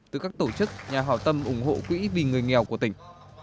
từ các tổ chức nhà hào tâm ủng hộ quỹ vì người nghèo của tỉnh